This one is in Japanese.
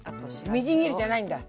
みじん切りじゃないんだ。